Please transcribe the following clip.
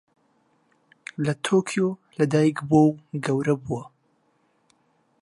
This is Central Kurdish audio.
لە تۆکیۆ لەدایکبووە و گەورە بووە.